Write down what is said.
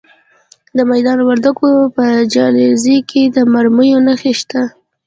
د میدان وردګو په جلریز کې د مرمرو نښې شته.